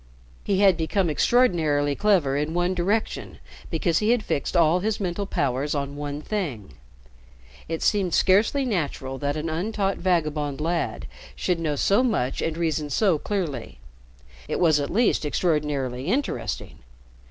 He had become extraordinarily clever in one direction because he had fixed all his mental powers on one thing. It seemed scarcely natural that an untaught vagabond lad should know so much and reason so clearly. It was at least extraordinarily interesting.